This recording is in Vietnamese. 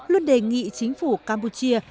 luôn đề nghị chính phủ campuchia